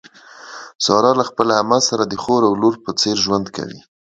ساره له خپلې عمه سره د خور او لور په څېر ژوند کوي.